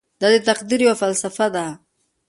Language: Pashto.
دا د تقدیر یوه فلسفه ده.